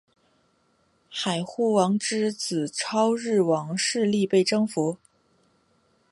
海护王之子超日王势力被征服。